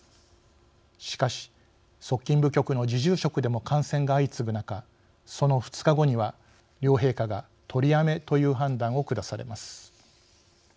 しかし側近部局の侍従職でも感染が相次ぐ中その２日後には両陛下が取りやめという判断を下されます。